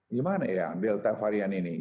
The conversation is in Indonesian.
gimana ya delta varian ini